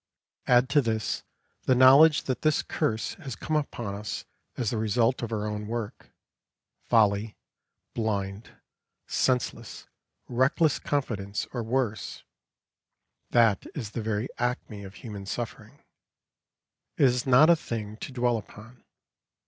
Add to this the knowledge that this curse has come upon us as the result of our own work folly, blind, senseless, reckless confidence, or worse that is the very acme of human suffering. It is not a thing to dwell upon.